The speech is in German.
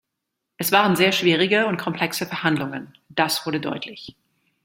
Es waren sehr schwierige und komplexe Verhandlungen, das wurde deutlich.